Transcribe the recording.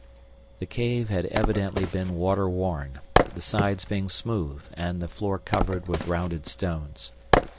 The cave had evidently been water worn, the sides being smooth and the floor covered with rounded stones.